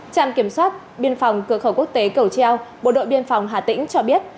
trạm kiểm soát biên phòng cửa khẩu quốc tế cầu treo bộ đội biên phòng hà tĩnh cho biết